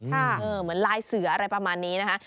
เหมือนลายเสืออะไรประมาณนี้นะคะ